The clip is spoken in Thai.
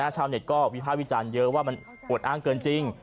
ชาวเน็ตก็วิภาควิจารณ์เยอะว่ามันอวดอ้างเกินจริง